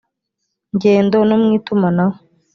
ngendo no mu itumanaho